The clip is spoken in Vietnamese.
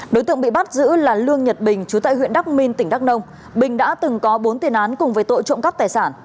đối tượng bị bắt giữ là lương nhật bình chú tại huyện đắk minh tỉnh đắk nông bình đã từng có bốn tiền án cùng với tội trộm cắp tài sản